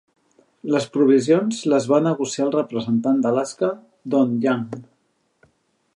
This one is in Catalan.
Les provisions les va negociar el representant d'Alaska, Don Young.